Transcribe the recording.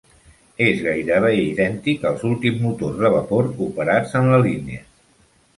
És gairebé idèntic als últims motors de vapor operats en la línia.